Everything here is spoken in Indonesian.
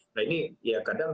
nah ini ya kadang